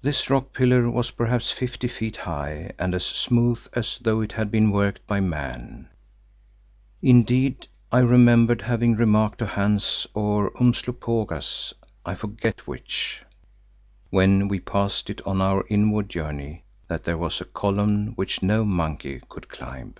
This rock pillar was perhaps fifty feet high and as smooth as though it had been worked by man; indeed, I remembered having remarked to Hans, or Umslopogaas—I forget which—when we passed it on our inward journey, that there was a column which no monkey could climb.